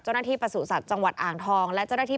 เจ้าหน้าที่ประสุนสัตว์จังหวัดอ่างทอง